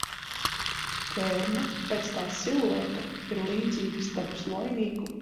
Ķērne pēc tās silueta ir līdzīga starp sloinīku un medaunieku.